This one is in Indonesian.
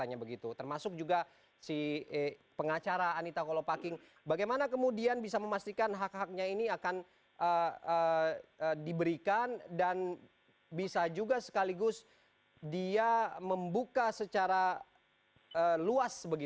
ya tentu dia mengeluarkan uang